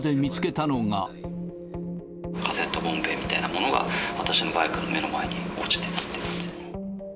カセットボンベみたいなものが、私のバイクの目の前に落ちていたっていう。